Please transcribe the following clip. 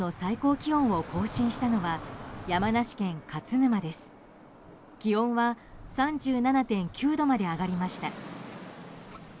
気温は３７．９度まで上がりました。